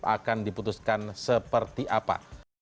akan diputuskan seperti apa